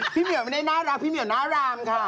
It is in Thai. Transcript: พี่เหมือนไม่ได้น่ารักพี่เหมือนน้ารามค่ะ